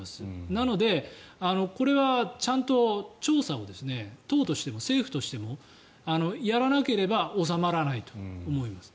なので、これはちゃんと調査を党としても政府としてもやらなければ収まらないと思います。